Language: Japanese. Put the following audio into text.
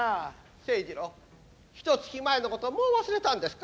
清二郎ひとつき前のこともう忘れたんですか。